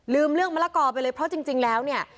เรื่องมะละกอไปเลยเพราะจริงแล้วเนี่ย